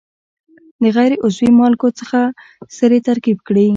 د غیر عضوي مالګو څخه سرې ترکیب کړي.